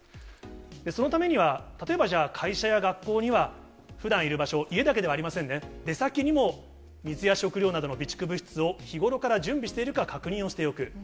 そのためには、例えばじゃあ、会社や学校には、ふだんいる場所、家だけではありませんね、出先にも水や食料などの備蓄物質を日頃から準備しているか確認をしておく。